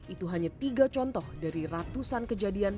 itu hanya tiga contoh dari ratusan kejadian